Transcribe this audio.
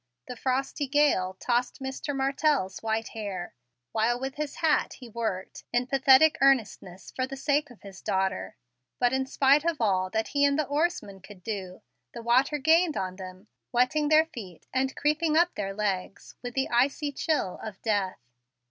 The frosty gale tossed Mr. Martell's white hair, while with his hat he worked, in pathetic earnestness, for the sake of his daughter; but in spite of all that he and the oarsman could do, the water gained on them, wetting their feet and creeping up their legs with the icy chili of death.